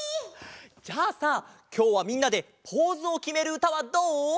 じゃあさきょうはみんなでポーズをきめるうたはどう？